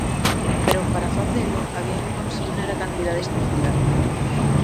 Pero para facelo había que consignar a cantidade estipulada.